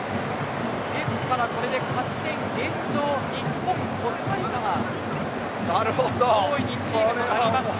ですから、これで勝ち点現状は日本、コスタリカが上位２チームとなりました。